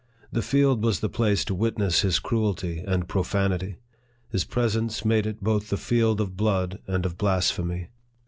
The field was the place to witness his cruelty and profanity. His presence made it both the field of blood and of blasphemy.